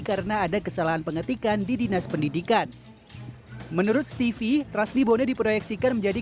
karena ada kesalahan pengetikan di dinas pendidikan menurut stevie rasni bone diproyeksikan menjadi